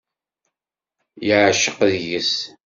Yeεceq deg-s.